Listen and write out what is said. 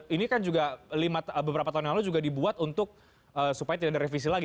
ini kan juga beberapa tahun lalu juga dibuat supaya tidak direvisi lagi